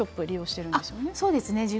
そうですね。